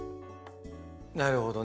なるほどね。